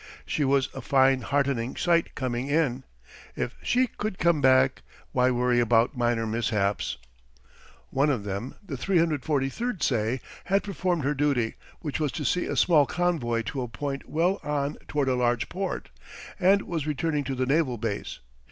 She was a fine heartening sight coming in. If she could come back, why worry about minor mishaps? One of them the 343 say had performed her duty, which was to see a small convoy to a point well on toward a large port, and was returning to the naval base.